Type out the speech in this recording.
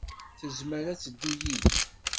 Tezmer ad teddu yid-i.